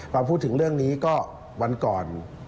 พอพูดถึงเรื่องนี้ก็วันก่อน